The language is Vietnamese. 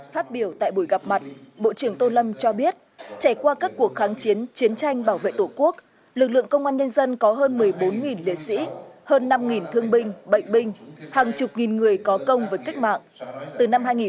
phát biểu tại buổi gặp mặt bộ trưởng tô lâm cho biết trải qua các cuộc kháng chiến chiến tranh bảo vệ tổ quốc lực lượng công an nhân dân có hơn một mươi bốn liệt sĩ hơn năm thương binh bệnh binh hàng chục nghìn người có công với cách mạng